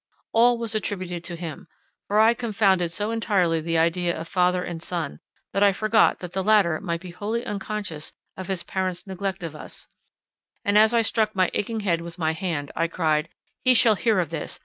All was attributed to him, for I confounded so entirely the idea of father and son, that I forgot that the latter might be wholly unconscious of his parent's neglect of us; and as I struck my aching head with my hand, I cried: "He shall hear of this!